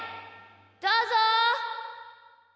どうぞ！